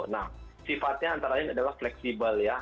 nah sifatnya antara lain adalah fleksibel ya